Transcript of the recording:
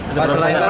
ada berapa pertanyaan